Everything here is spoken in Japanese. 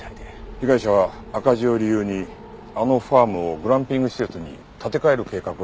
被害者は赤字を理由にあのファームをグランピング施設に建て替える計画をしていたそうだ。